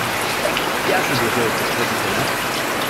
¿Qué haces los jueves después de cenar?